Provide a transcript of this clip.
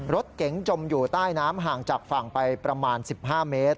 รถเก๋งจมอยู่ใต้น้ำห่างจากฝั่งไปประมาณ๑๕เมตร